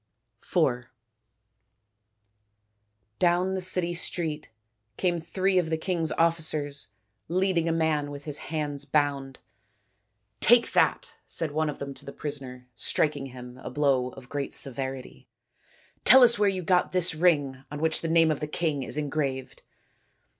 IV Down the city street came three of the king's officers leading a man with his hands bound. " Take that," said one of them to the prisoner, striking him a blow of great severity, " and tell us where you got this ring on which the name of the king is engraved."